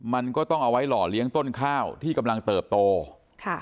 มันก็ต้องเอาไว้หล่อเลี้ยงต้นข้าวที่กำลังเติบโตค่ะ